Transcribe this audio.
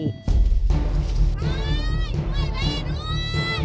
ช่วยแม่ด้วย